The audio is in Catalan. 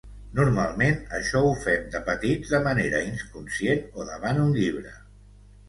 Normalment això ho fem de petits de manera inconscient o davant un llibre.